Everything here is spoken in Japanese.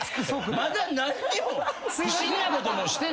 まだ何にも不審なこともしてないし。